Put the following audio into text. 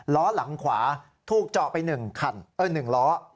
ล้อหลังขวาถูกเจาะไป๑คัน๑ล้อ